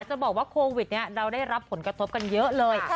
จะบอกว่าโควิดนี้เราได้รับผลกระทบกันเยอะเลย